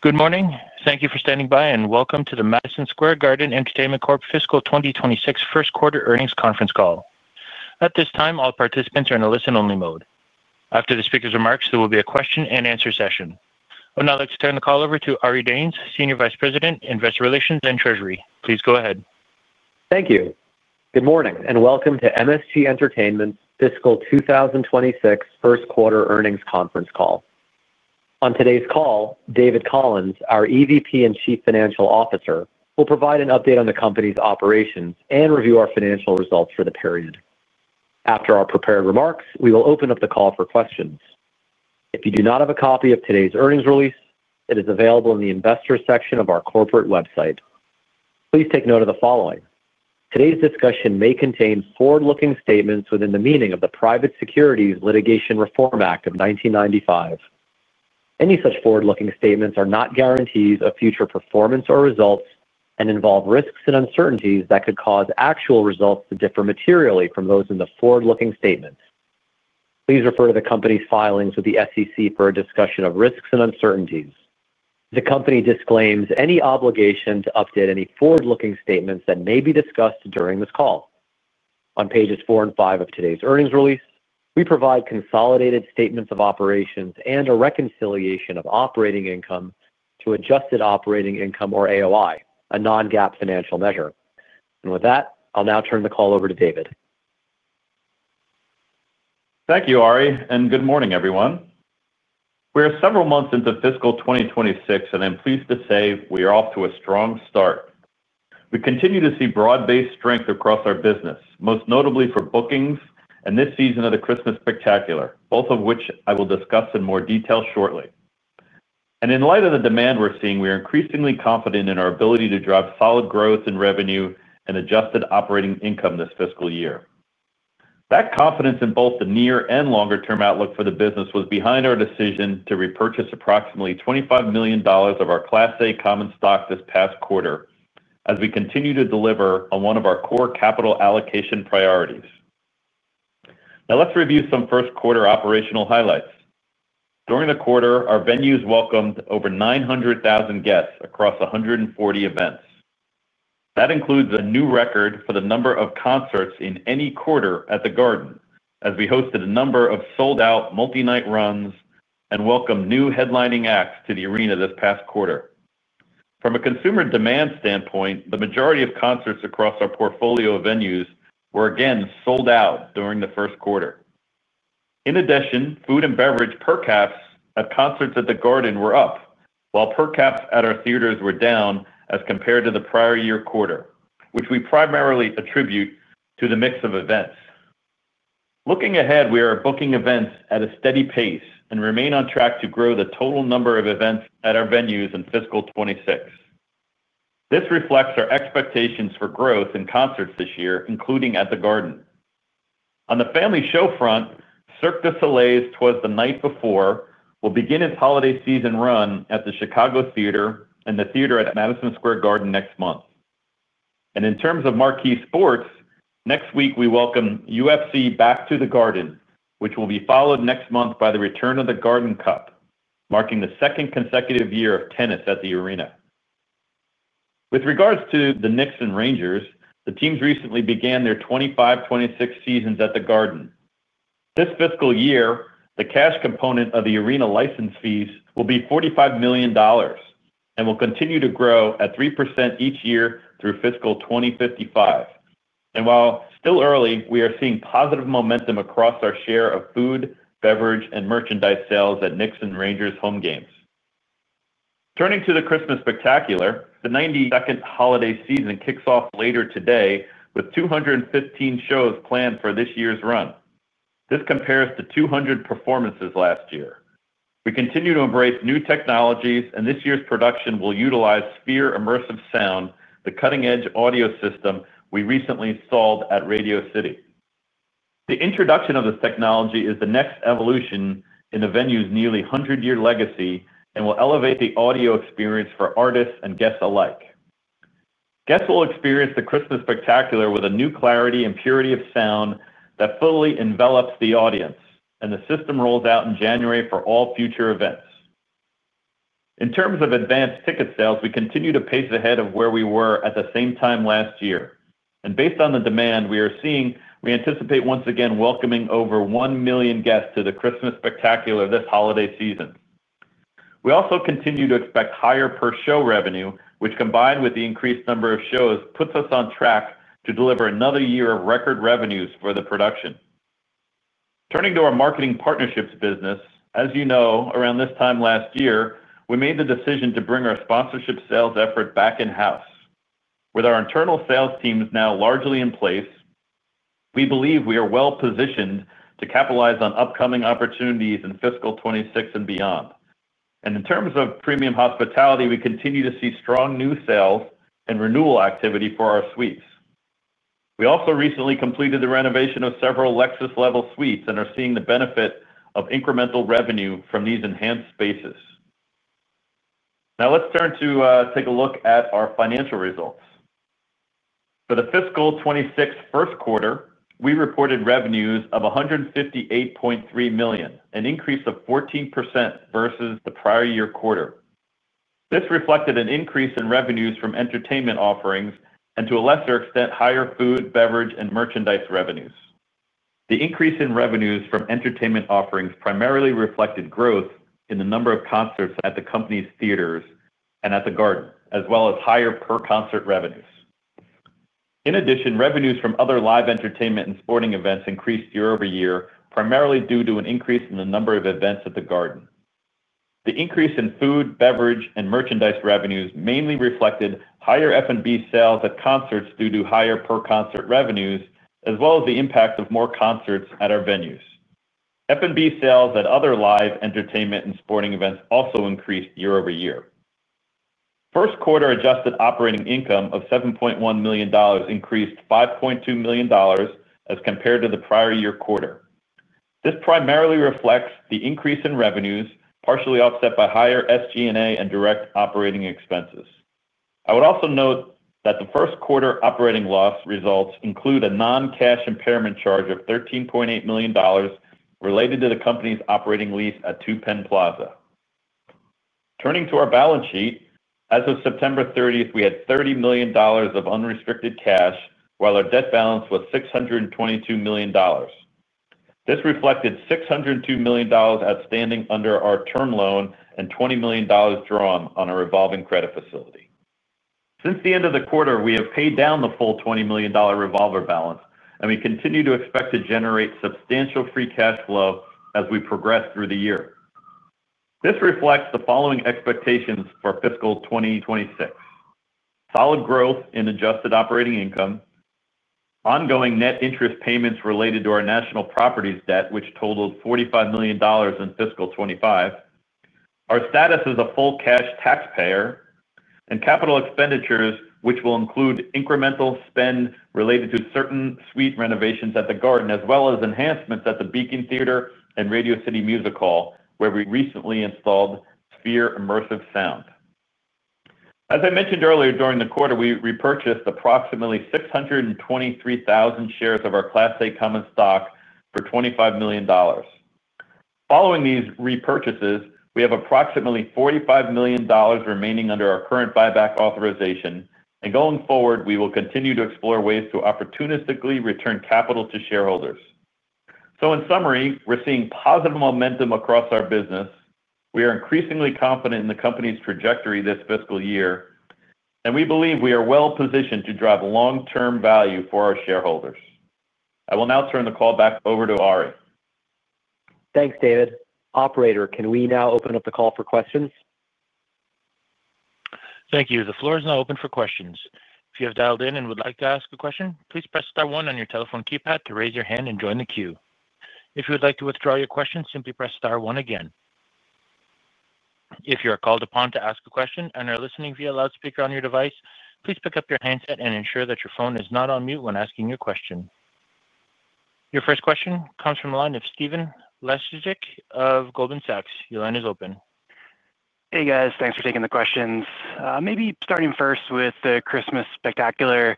Good morning. Thank you for standing by and welcome to the Madison Square Garden Entertainment Corp Fiscal 2026 First Quarter Earnings Conference Call. At this time, all participants are in a listen-only mode. After the speaker's remarks, there will be a question-and-answer session. I would now like to turn the call over to Ari Danes, Senior Vice President, Investor Relations and Treasury. Please go ahead. Thank you. Good morning and welcome to MSG Entertainment's Fiscal 2026 First Quarter Earnings Conference Call. On today's call, David Collins, our EVP and Chief Financial Officer, will provide an update on the company's operations and review our financial results for the period. After our prepared remarks, we will open up the call for questions. If you do not have a copy of today's earnings release, it is available in the investor section of our corporate website. Please take note of the following: today's discussion may contain forward-looking statements within the meaning of the Private Securities Litigation Reform Act of 1995. Any such forward-looking statements are not guarantees of future performance or results and involve risks and uncertainties that could cause actual results to differ materially from those in the forward-looking statements. Please refer to the company's filings with the SEC for a discussion of risks and uncertainties. The company disclaims any obligation to update any forward-looking statements that may be discussed during this call. On pages four and five of today's earnings release, we provide consolidated statements of operations and a reconciliation of operating income to adjusted operating income, or AOI, a non-GAAP financial measure. With that, I'll now turn the call over to David. Thank you, Ari, and good morning, everyone. We are several months into fiscal 2026, and I'm pleased to say we are off to a strong start. We continue to see broad-based strength across our business, most notably for bookings and this season of the Christmas Spectacular, both of which I will discuss in more detail shortly. In light of the demand we're seeing, we are increasingly confident in our ability to drive solid growth in revenue and adjusted operating income this fiscal year. That confidence in both the near and longer-term outlook for the business was behind our decision to repurchase approximately $25 million of our Class A common stock this past quarter as we continue to deliver on one of our core capital allocation priorities. Now, let's review some first quarter operational highlights. During the quarter, our venues welcomed over 900,000 guests across 140 events. That includes a new record for the number of concerts in any quarter at The Garden, as we hosted a number of sold-out multi-night runs and welcomed new headlining acts to the arena this past quarter. From a consumer demand standpoint, the majority of concerts across our portfolio of venues were, again, sold out during the first quarter. In addition, food and beverage per caps at concerts at The Garden were up, while per caps at our theaters were down as compared to the prior year quarter, which we primarily attribute to the mix of events. Looking ahead, we are booking events at a steady pace and remain on track to grow the total number of events at our venues in fiscal 2026. This reflects our expectations for growth in concerts this year, including at The Garden. On the family show front, Cirque du Soleil's "Twas the Night Before" will begin its holiday season run at The Chicago Theatre and The Theater at Madison Square Garden next month. In terms of marquee sports, next week we welcome UFC Back to the Garden, which will be followed next month by the return of the Garden Cup, marking the second consecutive year of tennis at the Arena. With regards to the Knicks and Rangers, the teams recently began their 2025-2026 seasons at The Garden. This fiscal year, the cash component of the Arena license fees will be $45 million. It will continue to grow at 3% each year through fiscal 2055. While still early, we are seeing positive momentum across our share of food, beverage, and merchandise sales at Knicks and Rangers home games. Turning to the Christmas Spectacular, the 92nd holiday season kicks off later today with 215 shows planned for this year's run. This compares to 200 performances last year. We continue to embrace new technologies, and this year's production will utilize Sphere Immersive Sound, the cutting-edge audio system we recently installed at Radio City. The introduction of this technology is the next evolution in the venue's nearly 100-year legacy and will elevate the audio experience for artists and guests alike. Guests will experience the Christmas Spectacular with a new clarity and purity of sound that fully envelops the audience, and the system rolls out in January for all future events. In terms of advanced ticket sales, we continue to pace ahead of where we were at the same time last year. Based on the demand we are seeing, we anticipate once again welcoming over 1 million guests to the Christmas Spectacular this holiday season. We also continue to expect higher per-show revenue, which, combined with the increased number of shows, puts us on track to deliver another year of record revenues for the production. Turning to our marketing partnerships business, as you know, around this time last year, we made the decision to bring our sponsorship sales effort back in-house. With our internal sales teams now largely in place, we believe we are well-positioned to capitalize on upcoming opportunities in fiscal 2026 and beyond. In terms of premium hospitality, we continue to see strong new sales and renewal activity for our suites. We also recently completed the renovation of several Lexus-level suites and are seeing the benefit of incremental revenue from these enhanced spaces. Now, let's turn to take a look at our financial results. For the fiscal 2026 first quarter, we reported revenues of $158.3 million, an increase of 14% versus the prior year quarter. This reflected an increase in revenues from entertainment offerings and, to a lesser extent, higher food, beverage, and merchandise revenues. The increase in revenues from entertainment offerings primarily reflected growth in the number of concerts at the company's theaters and at The Garden, as well as higher per-concert revenues. In addition, revenues from other live entertainment and sporting events increased year-over-year, primarily due to an increase in the number of events at The Garden. The increase in food, beverage, and merchandise revenues mainly reflected higher F&B sales at concerts due to higher per-concert revenues, as well as the impact of more concerts at our venues. F&B sales at other live entertainment and sporting events also increased year-over-year. First quarter adjusted operating income of $7.1 million increased $5.2 million as compared to the prior year quarter. This primarily reflects the increase in revenues, partially offset by higher SG&A and direct operating expenses. I would also note that the first quarter operating loss results include a non-cash impairment charge of $13.8 million related to the company's operating lease at 2 Penn Plaza. Turning to our balance sheet, as of September 30th, we had $30 million of unrestricted cash, while our debt balance was $622 million. This reflected $602 million outstanding under our term loan and $20 million drawn on our revolving credit facility. Since the end of the quarter, we have paid down the full $20 million revolver balance, and we continue to expect to generate substantial free cash flow as we progress through the year. This reflects the following expectations for fiscal 2026. Solid growth in adjusted operating income. Ongoing net interest payments related to our national properties debt, which totaled $45 million in fiscal 2025. Our status as a full cash taxpayer, and capital expenditures, which will include incremental spend related to certain suite renovations at The Garden, as well as enhancements at the Beacon Theatre and Radio City Music Hall, where we recently installed Sphere Immersive Sound. As I mentioned earlier, during the quarter, we repurchased approximately 623,000 shares of our Class A common stock for $25 million. Following these repurchases, we have approximately $45 million remaining under our current buyback authorization, and going forward, we will continue to explore ways to opportunistically return capital to shareholders. In summary, we're seeing positive momentum across our business. We are increasingly confident in the company's trajectory this fiscal year, and we believe we are well-positioned to drive long-term value for our shareholders. I will now turn the call back over to Ari. Thanks, David. Operator, can we now open up the call for questions? Thank you. The floor is now open for questions. If you have dialed in and would like to ask a question, please press star one on your telephone keypad to raise your hand and join the queue. If you would like to withdraw your question, simply press star one again. If you are called upon to ask a question and are listening via loudspeaker on your device, please pick up your handset and ensure that your phone is not on mute when asking your question. Your first question comes from the line of Stephen Laszczyk of Goldman Sachs. Your line is open. Hey, guys. Thanks for taking the questions. Maybe starting first with the Christmas Spectacular.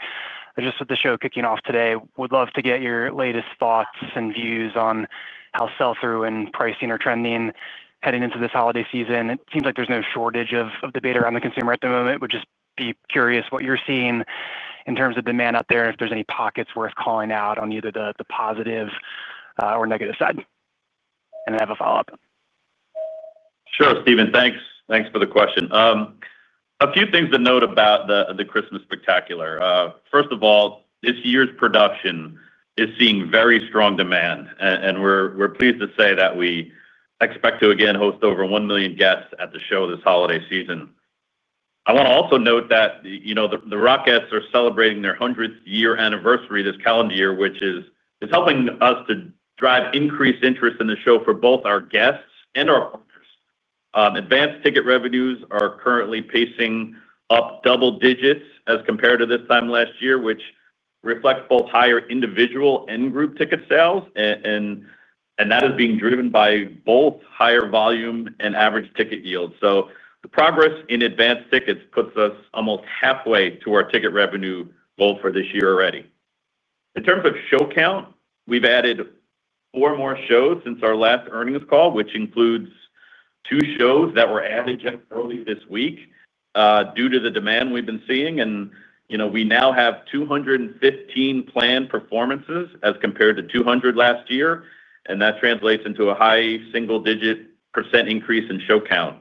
Just with the show kicking off today, would love to get your latest thoughts and views on how sell-through and pricing are trending heading into this holiday season. It seems like there's no shortage of debate around the consumer at the moment. Would just be curious what you're seeing in terms of demand out there and if there's any pockets worth calling out on either the positive or negative side. I have a follow-up. Sure, Stephen. Thanks. Thanks for the question. A few things to note about the Christmas Spectacular. First of all, this year's production is seeing very strong demand, and we're pleased to say that we expect to, again, host over 1 million guests at the show this holiday season. I want to also note that the Rockettes are celebrating their 100th year anniversary this calendar year, which is helping us to drive increased interest in the show for both our guests and our partners. Advanced ticket revenues are currently pacing up double digits as compared to this time last year, which reflects both higher individual and group ticket sales, and that is being driven by both higher volume and average ticket yield. The progress in advanced tickets puts us almost halfway to our ticket revenue goal for this year already. In terms of show count, we've added four more shows since our last earnings call, which includes two shows that were added just earlier this week due to the demand we've been seeing. We now have 215 planned performances as compared to 200 last year, and that translates into a high single-digit percent increase in show count.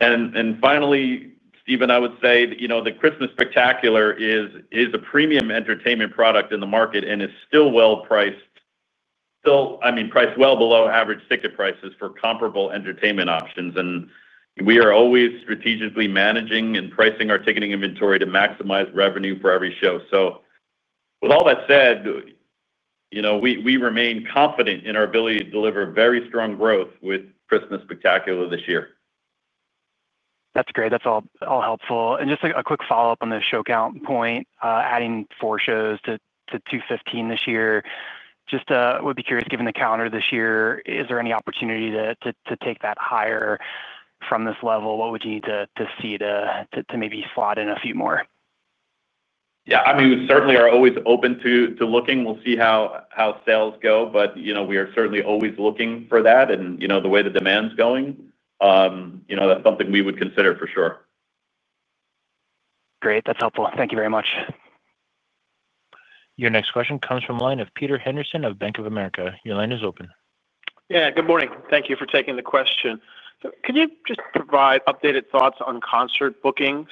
Finally, Stephen, I would say the Christmas Spectacular is a premium entertainment product in the market and is still well priced. I mean, priced well below average ticket prices for comparable entertainment options. We are always strategically managing and pricing our ticketing inventory to maximize revenue for every show. With all that said, we remain confident in our ability to deliver very strong growth with Christmas Spectacular this year. That's great. That's all helpful. Just a quick follow-up on the show count point, adding four shows to 215 this year. Just would be curious, given the calendar this year, is there any opportunity to take that higher from this level? What would you need to see to maybe slot in a few more? Yeah. I mean, we certainly are always open to looking. We'll see how sales go, but we are certainly always looking for that and the way the demand's going. That's something we would consider for sure. Great. That's helpful. Thank you very much. Your next question comes from the line of Peter Henderson of Bank of America. Your line is open. Yeah. Good morning. Thank you for taking the question. Could you just provide updated thoughts on concert bookings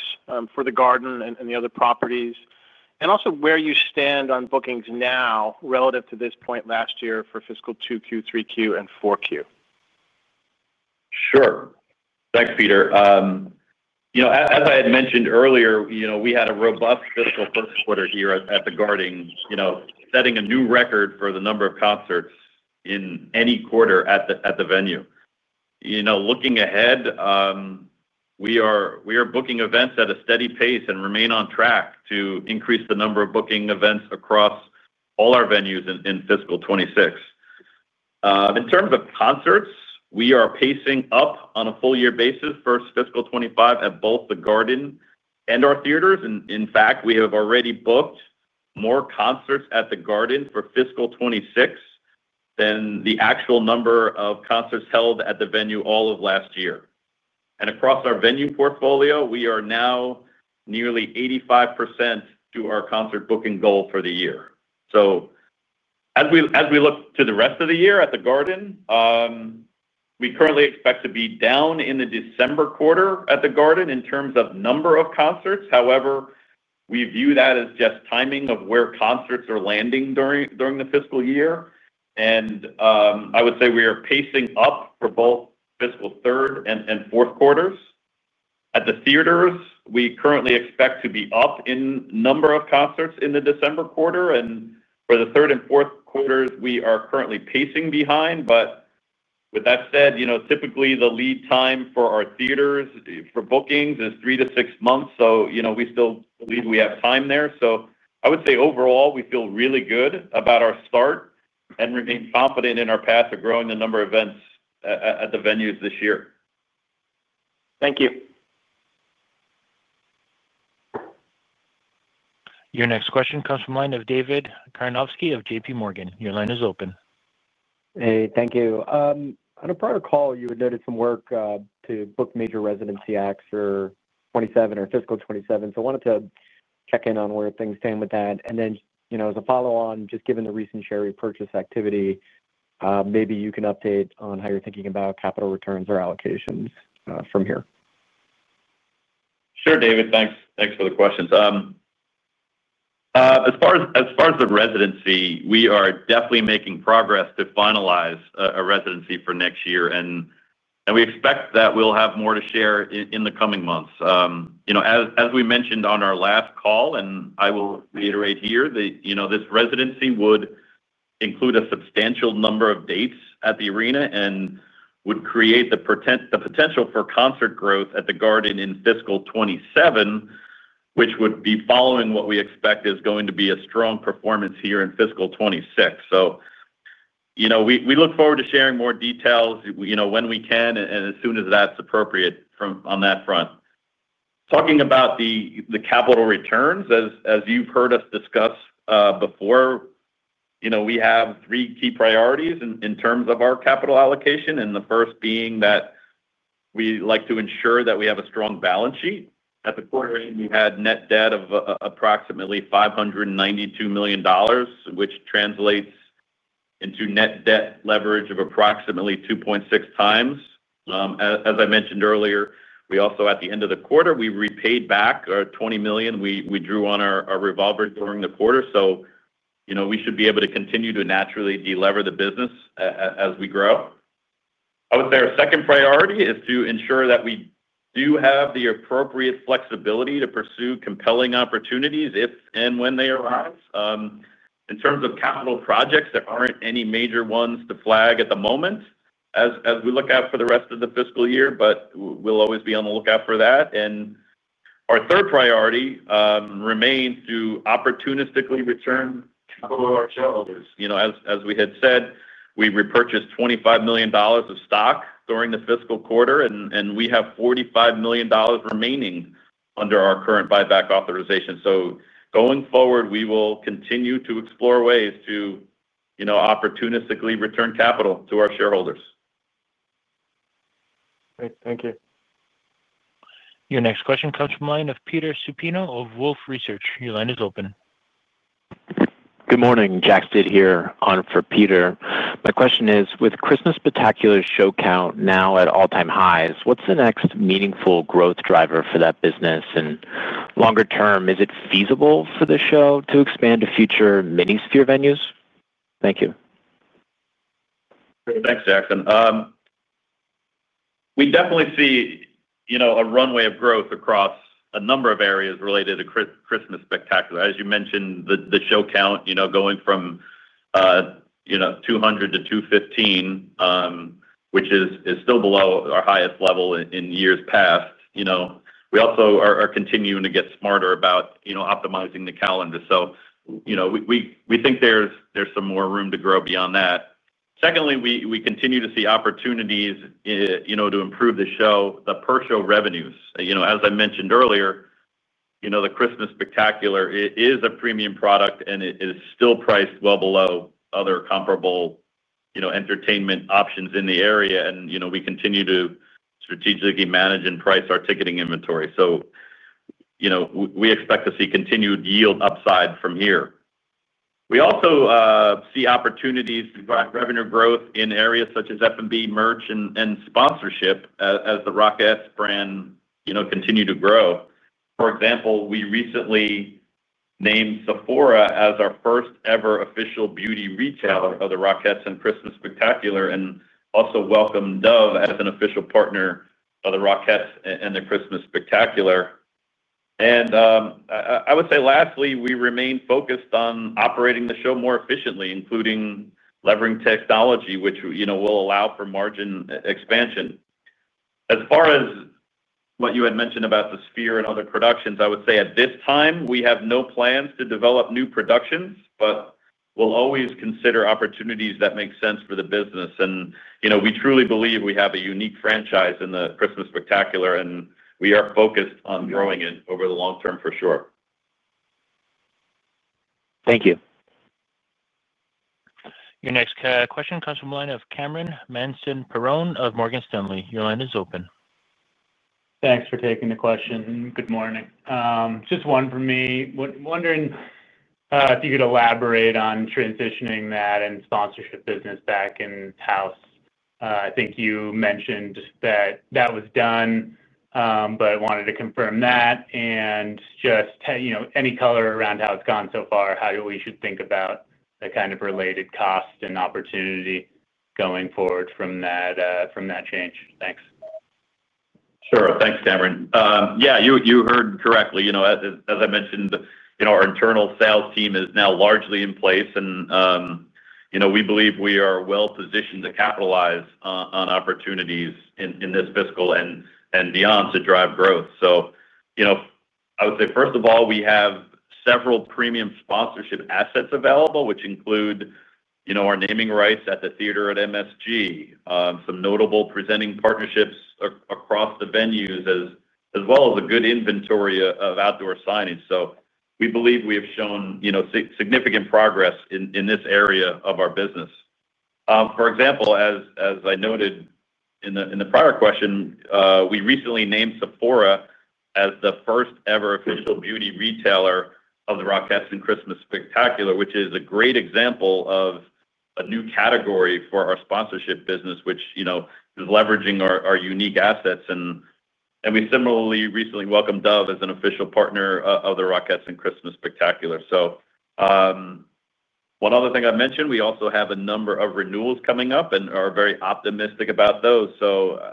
for The Garden and the other properties and also where you stand on bookings now relative to this point last year for fiscal 2Q, 3Q, and 4Q? Sure. Thanks, Peter. As I had mentioned earlier, we had a robust fiscal first quarter here at The Garden, setting a new record for the number of concerts in any quarter at the venue. Looking ahead, we are booking events at a steady pace and remain on track to increase the number of booking events across all our venues in fiscal 2026. In terms of concerts, we are pacing up on a full-year basis for fiscal 2025 at both The Garden and our theaters. In fact, we have already booked more concerts at The Garden for fiscal 2026 than the actual number of concerts held at the venue all of last year. Across our venue portfolio, we are now nearly 85% to our concert booking goal for the year. As we look to the rest of the year at The Garden. We currently expect to be down in the December quarter at The Garden in terms of number of concerts. However, we view that as just timing of where concerts are landing during the fiscal year. I would say we are pacing up for both fiscal third and fourth quarters. At the theaters, we currently expect to be up in number of concerts in the December quarter. For the third and fourth quarters, we are currently pacing behind. With that said, typically, the lead time for our theaters for bookings is three to six months. We still believe we have time there. I would say overall, we feel really good about our start and remain confident in our path of growing the number of events at the venues this year. Thank you. Your next question comes from the line of David Karnovsky of JPMorgan. Your line is open. Hey. Thank you. On a prior call, you had noted some work to book major residency acts for 2027 or fiscal 2027. I wanted to check in on where things stand with that. As a follow-on, just given the recent share repurchase activity, maybe you can update on how you're thinking about capital returns or allocations from here. Sure, David. Thanks for the questions. As far as the residency, we are definitely making progress to finalize a residency for next year. We expect that we'll have more to share in the coming months. As we mentioned on our last call, and I will reiterate here, this residency would include a substantial number of dates at the arena and would create the potential for concert growth at The Garden in fiscal 2027, which would be following what we expect is going to be a strong performance here in fiscal 2026. We look forward to sharing more details when we can and as soon as that's appropriate on that front. Talking about the capital returns, as you've heard us discuss before, we have three key priorities in terms of our capital allocation, and the first being that we like to ensure that we have a strong balance sheet. At the quarter end, we had net debt of approximately $592 million, which translates into net debt leverage of approximately 2.6x. As I mentioned earlier, at the end of the quarter, we repaid back our $20 million. We drew on our revolver during the quarter. We should be able to continue to naturally delever the business as we grow. I would say our second priority is to ensure that we do have the appropriate flexibility to pursue compelling opportunities if and when they arise. In terms of capital projects, there are not any major ones to flag at the moment as we look out for the rest of the fiscal year, but we will always be on the lookout for that. Our third priority remains to opportunistically return capital to our shareholders. As we had said, we repurchased $25 million of stock during the fiscal quarter, and we have $45 million remaining under our current buyback authorization. Going forward, we will continue to explore ways to opportunistically return capital to our shareholders. Great. Thank you. Your next question comes from the line of Peter Supino of Wolfe Research. Your line is open. Good morning. Jack Stid here on for Peter. My question is, with Christmas Spectacular show count now at all-time highs, what's the next meaningful growth driver for that business? Longer term, is it feasible for the show to expand to future mini-Sphere venues? Thank you. Thanks, Jack. We definitely see a runway of growth across a number of areas related to Christmas Spectacular. As you mentioned, the show count going from 200 to 215, which is still below our highest level in years past. We also are continuing to get smarter about optimizing the calendar. We think there's some more room to grow beyond that. Secondly, we continue to see opportunities to improve the show, the per-show revenues. As I mentioned earlier, the Christmas Spectacular is a premium product, and it is still priced well below other comparable entertainment options in the area. We continue to strategically manage and price our ticketing inventory. We expect to see continued yield upside from here. We also see opportunities to drive revenue growth in areas such as F&B, merch, and sponsorship as the Rockettes brand continue to grow. For example, we recently. Named Sephora as our first-ever official beauty retailer of the Rockettes and Christmas Spectacular and also welcomed Dove as an official partner of the Rockettes and the Christmas Spectacular. I would say lastly, we remain focused on operating the show more efficiently, including leveraging technology, which will allow for margin expansion. As far as what you had mentioned about the Sphere and other productions, I would say at this time, we have no plans to develop new productions, but we will always consider opportunities that make sense for the business. We truly believe we have a unique franchise in the Christmas Spectacular, and we are focused on growing it over the long term for sure. Thank you. Your next question comes from the line of Cameron Mansson-Perrone of Morgan Stanley. Your line is open. Thanks for taking the question. Good morning. Just one from me. Wondering if you could elaborate on transitioning that and sponsorship business back in-house. I think you mentioned that that was done, but wanted to confirm that. Just any color around how it's gone so far, how we should think about the kind of related cost and opportunity going forward from that change. Thanks. Sure. Thanks, Cameron. Yeah, you heard correctly. As I mentioned, our internal sales team is now largely in place. We believe we are well-positioned to capitalize on opportunities in this fiscal and beyond to drive growth. I would say, first of all, we have several premium sponsorship assets available, which include our naming rights at The Theater at MSG, some notable presenting partnerships across the venues, as well as a good inventory of outdoor signage. We believe we have shown significant progress in this area of our business. For example, as I noted in the prior question, we recently named Sephora as the first-ever official beauty retailer of the Rockettes and Christmas Spectacular, which is a great example of a new category for our sponsorship business, which is leveraging our unique assets. We similarly recently welcomed Dove as an official partner of the Rockettes and Christmas Spectacular. One other thing I mentioned, we also have a number of renewals coming up and are very optimistic about those.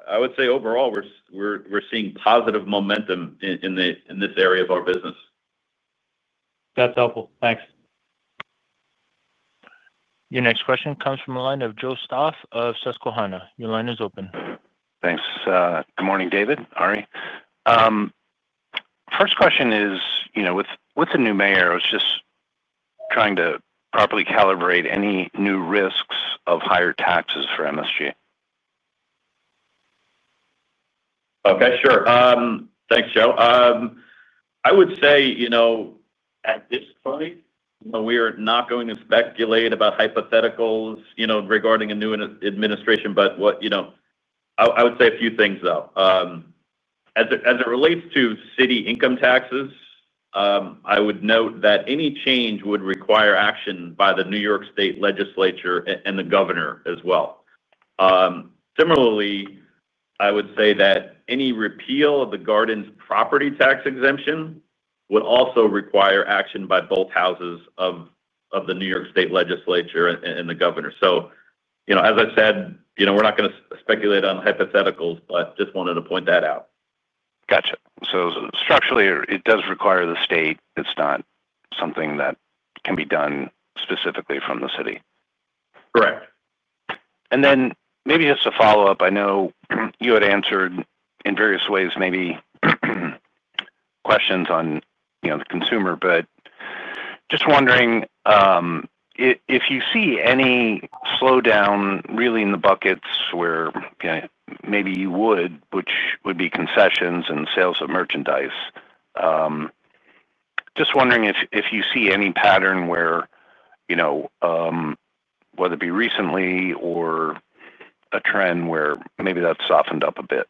I would say overall, we're seeing positive momentum in this area of our business. That's helpful. Thanks. Your next question comes from the line of Joe Stauff of Susquehanna. Your line is open. Thanks. Good morning, David. Ari. First question is. With the new mayor, I was just trying to properly calibrate any new risks of higher taxes for MSG. Okay. Sure. Thanks, Joe. I would say at this point, we are not going to speculate about hypotheticals regarding a new administration. I would say a few things, though. As it relates to city income taxes, I would note that any change would require action by the New York State Legislature and the governor as well. Similarly, I would say that any repeal of The Garden's property tax exemption would also require action by both houses of the New York State Legislature and the governor. As I said, we are not going to speculate on hypotheticals, but just wanted to point that out. Gotcha. So structurally, it does require the state. It's not something that can be done specifically from the city. Correct. Maybe just a follow-up. I know you had answered in various ways maybe. Questions on the consumer, but just wondering if you see any slowdown really in the buckets where maybe you would, which would be concessions and sales of merchandise. Just wondering if you see any pattern where, whether it be recently or a trend where maybe that's softened up a bit.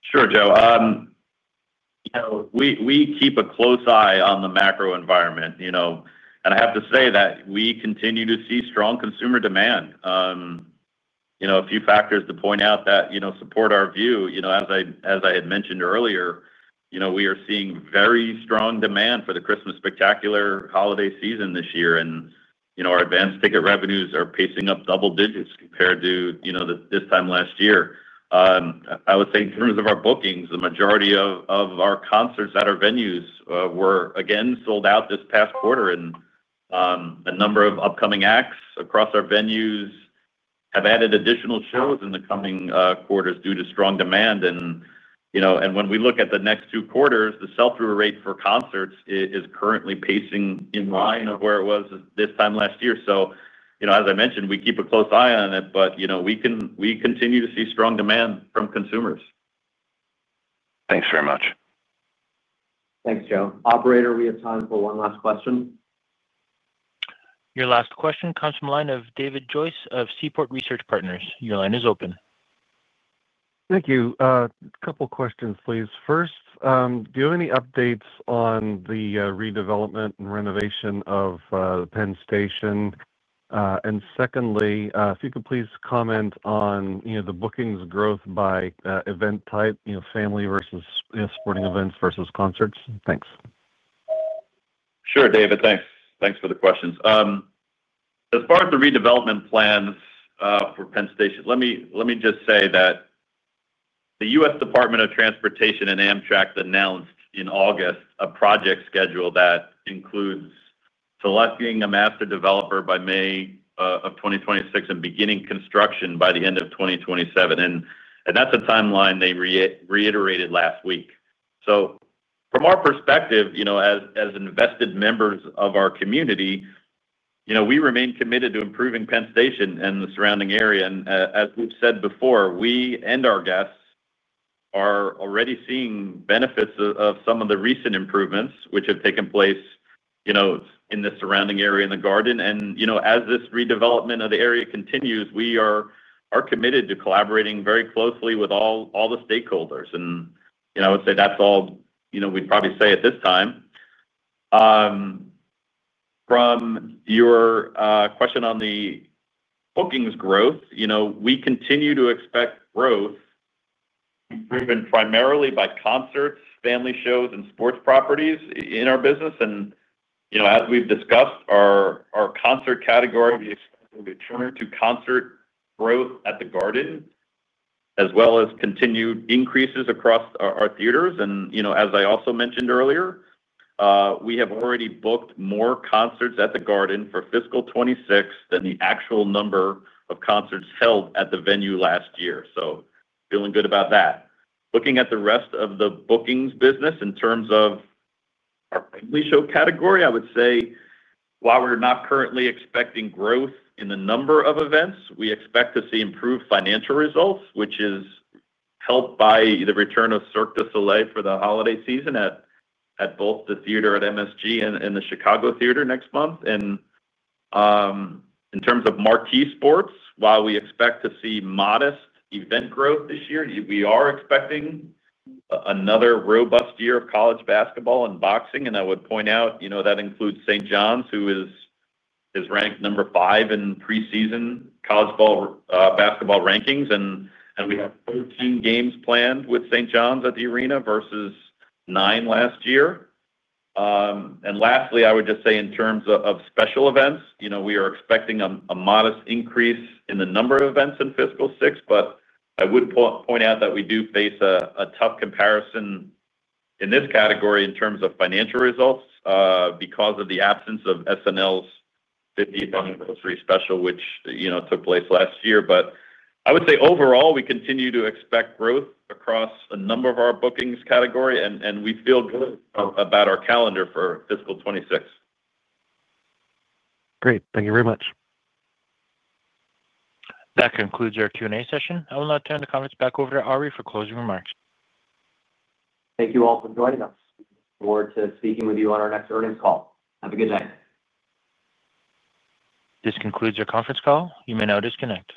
Sure, Joe. We keep a close eye on the macro environment. I have to say that we continue to see strong consumer demand. A few factors to point out that support our view. As I had mentioned earlier, we are seeing very strong demand for the Christmas Spectacular holiday season this year. Our advance ticket revenues are pacing up double digits compared to this time last year. I would say in terms of our bookings, the majority of our concerts at our venues were, again, sold out this past quarter. A number of upcoming acts across our venues have added additional shows in the coming quarters due to strong demand. When we look at the next two quarters, the sell-through rate for concerts is currently pacing in line with where it was this time last year. As I mentioned, we keep a close eye on it, but we continue to see strong demand from consumers. Thanks very much. Thanks, Joe. Operator, we have time for one last question. Your last question comes from the line of David Joyce of Seaport Research Partners. Your line is open. Thank you. A couple of questions, please. First, do you have any updates on the redevelopment and renovation of Penn Station? Secondly, if you could please comment on the bookings growth by event type, family versus sporting events versus concerts. Thanks. Sure, David. Thanks. Thanks for the questions. As far as the redevelopment plans for Penn Station, let me just say that the U.S. Department of Transportation and Amtrak announced in August a project schedule that includes selecting a master developer by May of 2026 and beginning construction by the end of 2027. That is a timeline they reiterated last week. From our perspective, as invested members of our community, we remain committed to improving Penn Station and the surrounding area. As we have said before, we and our guests are already seeing benefits of some of the recent improvements which have taken place in the surrounding area and in The Garden. As this redevelopment of the area continues, we are committed to collaborating very closely with all the stakeholders. I would say that is all we would probably say at this time. From your question on the. Bookings growth, we continue to expect growth. Driven primarily by concerts, family shows, and sports properties in our business. As we've discussed, our concert category will be expected to return to concert growth at The Garden, as well as continued increases across our theaters. As I also mentioned earlier, we have already booked more concerts at The Garden for fiscal 2026 than the actual number of concerts held at the venue last year. Feeling good about that. Looking at the rest of the bookings business in terms of our family show category, I would say while we're not currently expecting growth in the number of events, we expect to see improved financial results, which is helped by the return of Cirque du Soleil for the holiday season at both The Theater at MSG and The Chicago Theatre next month. In terms of marquee sports, while we expect to see modest event growth this year, we are expecting another robust year of college basketball and boxing. I would point out that includes St. John's, who is ranked number five in preseason college basketball rankings. We have 13 games planned with St. John's at the arena versus nine last year. Lastly, I would just say in terms of special events, we are expecting a modest increase in the number of events in fiscal 2026. I would point out that we do face a tough comparison in this category in terms of financial results because of the absence of SNL's 50th anniversary special, which took place last year. I would say overall, we continue to expect growth across a number of our bookings category. We feel good about our calendar for fiscal 2026. Great. Thank you very much. That concludes our Q&A session. I will now turn the conference back over to Ari for closing remarks. Thank you all for joining us. Look forward to speaking with you on our next earnings call. Have a good day. This concludes our conference call. You may now disconnect.